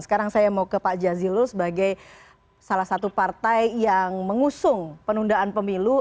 sekarang saya mau ke pak jazilul sebagai salah satu partai yang mengusung penundaan pemilu